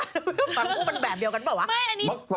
ฝั่งปุ๊บนั้นแบบเดียวกันปะวะ